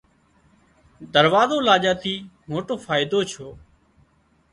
دراوزو لاڄا ٿِي موٽو فائيڌو ڇو